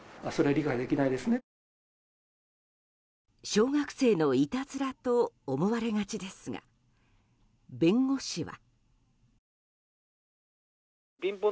小学生のいたずらと思われがちですが弁護士は。